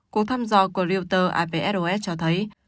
cuộc thăm dò của reuters apsos cho thấy